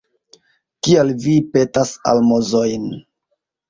Kial vi petas almozojn?